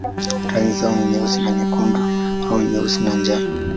Rangi zao ni nyeusi na nyekundu au nyeusi na njano.